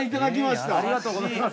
ありがとうございます。